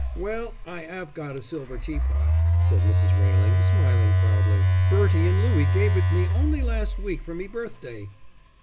"Well, I 'ave got a silver tea pot," said Mrs. Railing, smiling proudly. "Bertie and Louie gave it me only last week for me birthday."